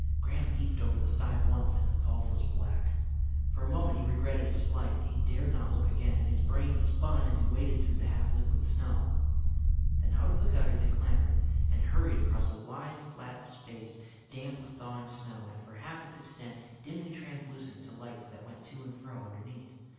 Graham peeped over the side once and the gulf was black. For a moment he regretted his flight. He dared not look again, and his brain spun as he waded through the half liquid snow. Then out of the gutter they clambered and hurried across a wide flat space damp with thawing snow, and for half its extent dimly translucent to lights that went to and fro underneath.